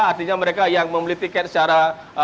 artinya mereka yang membeli tiket secara